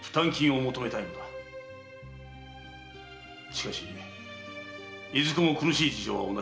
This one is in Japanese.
しかしいずこも苦しい事情は同じだ。